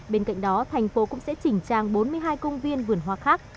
bên cạnh đó thành phố cũng sẽ chỉnh trang bốn mươi hai công viên vườn hoa khác